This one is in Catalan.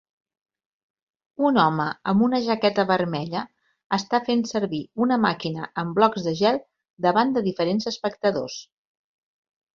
Un home amb una jaqueta vermella està fent servir una màquina en blocs de gel davant de diferents espectadors